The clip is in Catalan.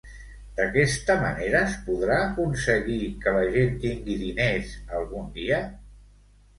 D'aquesta manera es podrà aconseguir que la gent tingui diners algun dia?